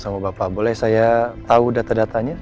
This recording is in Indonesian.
sama bapak boleh saya tahu data datanya